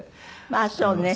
まあそうね。